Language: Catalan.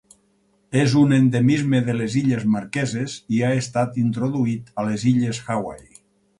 És un endemisme de les Illes Marqueses i ha estat introduït a les Illes Hawaii.